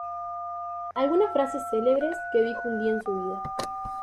Algunas Frases Celebres que dijo un día en su vida.